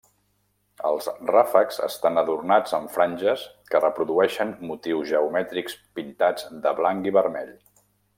Els ràfecs estan adornats amb franges que reprodueixen motius geomètrics pintats de blanc i vermell.